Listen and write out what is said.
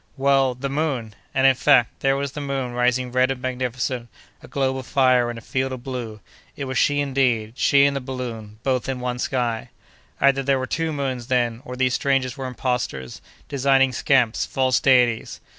"Well! the moon!" And, in fact, there was the moon rising red and magnificent, a globe of fire in a field of blue! It was she, indeed—she and the balloon!—both in one sky! Either there were two moons, then, or these strangers were imposters, designing scamps, false deities!